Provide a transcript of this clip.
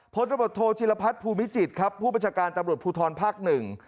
พธธภูมิจิตรครับผู้บัชการตำรวจภูทรภักดิ์หนึ่ง